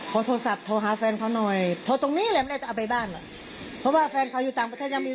ขอไปดูได้ไหม